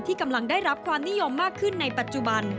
กำลังได้รับความนิยมมากขึ้นในปัจจุบัน